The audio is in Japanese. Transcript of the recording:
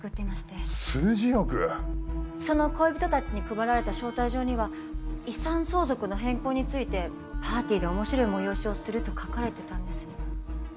その恋人たちに配られた招待状には遺産相続の変更についてパーティーで面白い催しをすると書かれてたんです。